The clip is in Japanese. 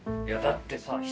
いやだってさ